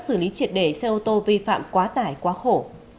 xử lý triệt để xe ô tô vi phạm quá tải quá khổ